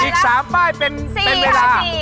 อีก๓ป้ายเป็นเวลา